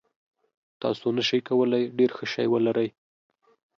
تاسو نشئ کولی ډیر ښه شی ولرئ.